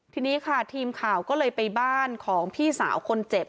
ทีนี้ค่ะทีมข่าวก็เลยไปบ้านของพี่สาวคนเจ็บ